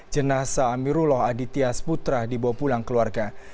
jenasa amirullah aditya sputra dibawa pulang keluarga